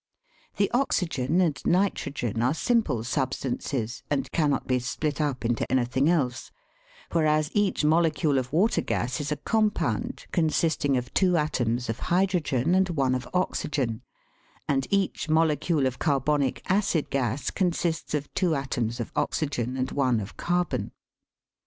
The oxygen and nitrogen are simple substances, and cannot be split up into anything else, whereas each molecule of water gas is a compound, consisting of two atoms of hydrogen and one of oxygen ; and each molecule of carbonic acid gas consists of two atoms of oxygen and one of carbon.